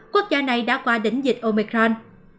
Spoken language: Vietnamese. quốc gia này đã qua đỉnh dịch omicron